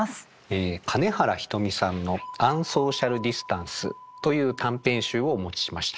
え金原ひとみさんの「アンソーシャルディスタンス」という短編集をお持ちしました。